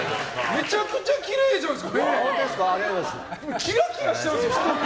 めちゃくちゃきれいじゃないですか、目。